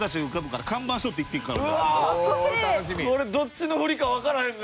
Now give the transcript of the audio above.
これどっちの振りかわからへんな。